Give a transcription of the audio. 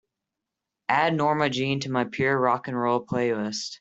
Add Norma Jean to my pure rock & roll playlist.